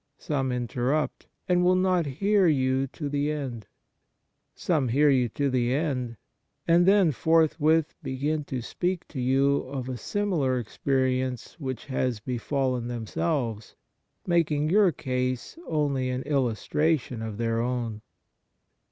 Some interrupt, and will not hear you to the end. Some hear you to the end, and then forthwith begin to speak to you of a similar experience which has befallen themselves, making your case only an illustration of their own.